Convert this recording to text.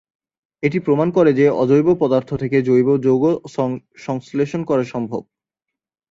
এটি প্রমাণ করে যে অজৈব পদার্থ থেকে জৈব যৌগ সংশ্লেষণ করা সম্ভব।